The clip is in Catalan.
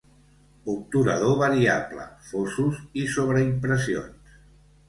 Obturador variable, Fosos i sobreimpressions.